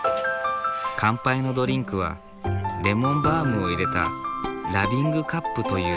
乾杯のドリンクはレモンバームを入れたラビングカップというカクテル。